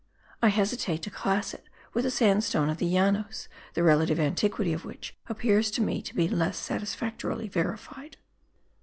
I hesitate to class it with the sandstone of the Llanos, the relative antiquity of which appears to me to be less satisfactorily verified.